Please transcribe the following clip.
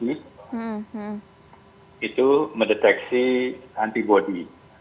itu mendeteksi antibody